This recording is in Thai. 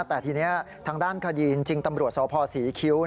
แต่ทีนี้ทางด้านคดีจริงตำรวจสพศรีคิ้ว